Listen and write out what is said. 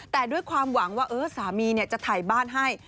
แต่ด้วยความหวังว่าสามีจะถ่ายบ้านให้